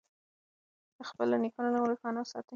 د خپلو نیکونو نوم روښانه وساتئ.